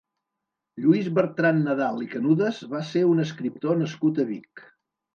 Lluís Bertran Nadal i Canudas va ser un escriptor nascut a Vic.